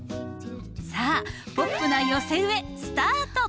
さあポップな寄せ植えスタート！